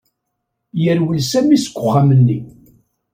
Yerwel Sami seg uxxam-nni.